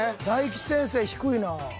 大吉先生低いなぁ。